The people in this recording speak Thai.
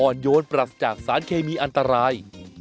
โยนปรัสจากสารเคมีอันตราย